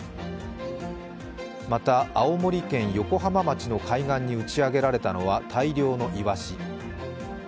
また青森県横浜町の海岸に打ち上げられたのは大量のいわし。